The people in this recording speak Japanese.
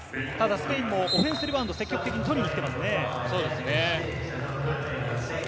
スペインもオフェンスリバウンド、積極的に取りに行っていますね。